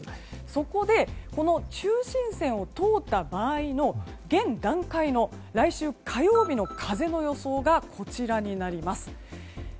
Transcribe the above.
そこでこの中心線を通った場合の現段階の来週火曜日の風の予想がこちらになります。